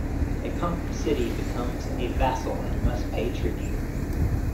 A conquered city becomes a vassal and must pay tribute.